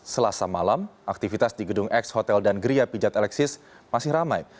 selasa malam aktivitas di gedung ex hotel dan geria pijat alexis masih ramai